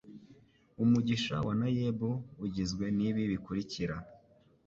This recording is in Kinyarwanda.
umushinga wanaeb ugizwe n ibi bikurikira